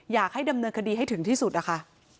อยากให้ดำเนินคดีให้ถึงที่สุดนะคะ